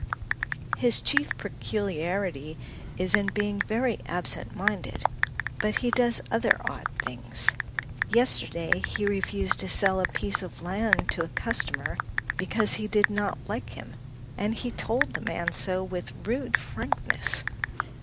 His chief peculiarity is in being very absent minded, but he does other odd things. Yesterday he refused to sell a piece of land to a customer because he did not like him, and he told the man so with rude frankness.